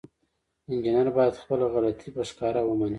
انجینر باید خپله غلطي په ښکاره ومني.